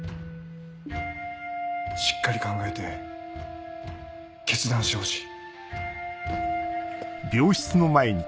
しっかり考えて決断してほしい。